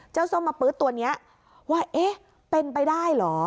ส้มมาปื๊ดตัวนี้ว่าเอ๊ะเป็นไปได้เหรอ